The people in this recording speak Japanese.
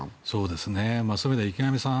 そういう意味では池上さん